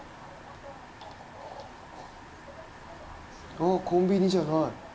あっコンビニじゃない。